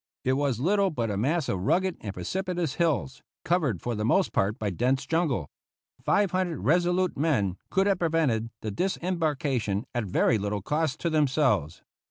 It was little but a mass of rugged and precipitous hills, covered for the most part by dense jungle. Five hundred resolute men could have prevented the disembarkation at very little cost to themselves.